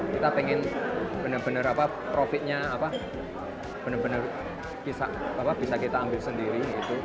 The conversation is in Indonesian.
kita pengen bener bener profitnya bener bener bisa kita ambil sendiri